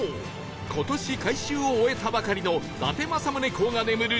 今年改修を終えたばかりの伊達政宗公が眠る